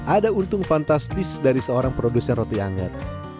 ada untung fantastis dari seorang produsen roti anget